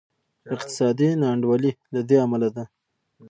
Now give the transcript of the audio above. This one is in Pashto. اقتصادي نا انډولي له دې امله ده.